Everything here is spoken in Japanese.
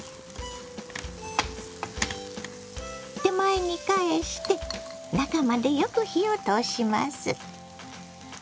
手前に返して中までよく火を通します。